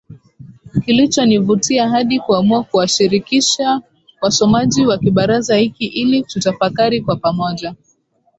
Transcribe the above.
Kilichonivutia hadi kuamua kuwashirkikisha wasomaji wa kibaraza hiki ili tutafakari kwa pamoja